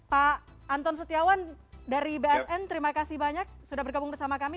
pak anton setiawan dari bsn terima kasih banyak sudah bergabung bersama kami